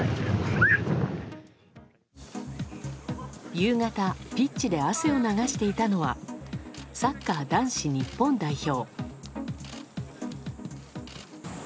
夕方、ピッチで汗を流していたのはサッカー男子日本代表。